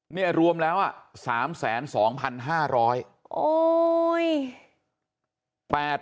เนี่ยรวมแล้ว๓แสน๒๕๐๐บาท